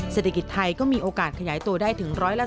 เศรษฐกิจไทยก็มีโอกาสขยายตัวได้ถึง๑๓